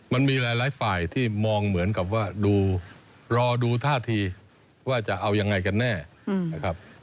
มันมีหลายฝ่ายที่มองเหมือนกับว่ารอดูท่าทีว่าจะเอายังไงกันแน่นะครับ